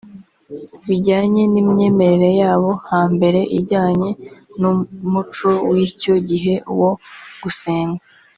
bijyanye n’imyemerere y’abo hambere ijyanye n’umuco w’icyo gihe wo gusenga